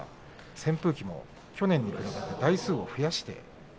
扇風機も去年より台数を増やして。